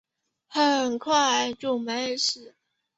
很快就没事了